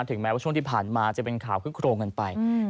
แม้ว่าช่วงที่ผ่านมาจะเป็นข่าวคึกโครงกันไป